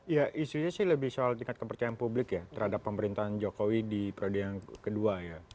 ya isunya sih lebih soal tingkat kepercayaan publik ya terhadap pemerintahan jokowi di periode yang kedua ya